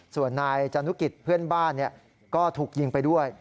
ส่วนนายจานุกิจเพื่อนบ้านก็ถูกยิงไปด้วย